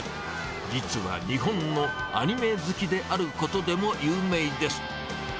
実は日本のアニメ好きであることでも有名です。